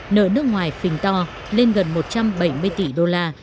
nợ nước ngoài phình to lên gần một trăm bảy mươi tỷ đô la